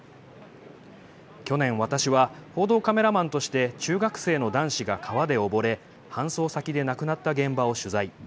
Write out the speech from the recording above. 去年、私は報道カメラマンとして中学生の男子が川で溺れ搬送先で亡くなった現場を取材。